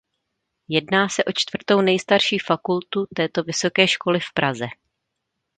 Jedná se o čtvrtou nejstarší fakultu této vysoké školy v Praze.